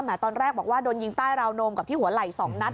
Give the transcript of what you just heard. ตอนแรกบอกว่าโดนยิงใต้ราวนมกับที่หัวไหล่๒นัด